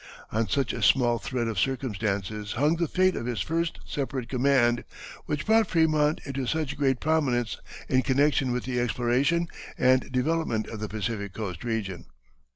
On such a small thread of circumstances hung the fate of his first separate command, which brought Frémont into such great prominence in connection with the exploration and development of the Pacific Coast region.